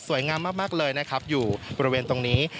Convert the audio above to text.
งามมากเลยนะครับอยู่บริเวณตรงนี้